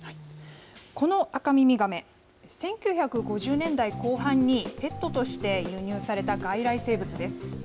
このアカミミガメ、１９５０年代後半に、ペットとして輸入された外来生物です。